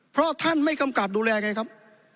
เพราะท่านไม่กำกับดูแลไงครับ